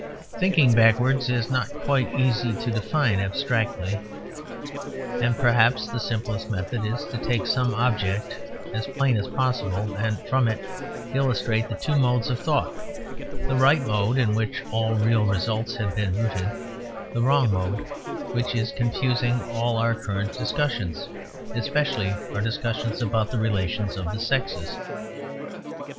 Thinking backwards is not quite easy to define abstractedly; and, perhaps, the simplest method is to take some object, as plain as possible, and from it illustrate the two modes of thought: the right mode in which all real results have been rooted; the wrong mode, which is confusing all our current discussions, especially our discussions about the relations of the sexes.